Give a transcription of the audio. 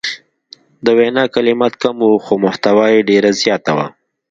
د وینا کلمات کم وو خو محتوا یې ډیره زیاته وه.